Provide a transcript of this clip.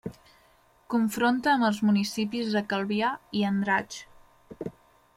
Confronta amb els municipis de Calvià i Andratx.